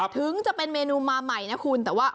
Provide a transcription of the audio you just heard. ถึงจะเป็นเมนูมาใหม่นะคุณแต่ว่า